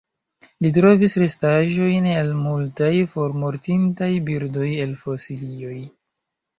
Li trovis restaĵojn el multaj formortintaj birdoj el fosilioj.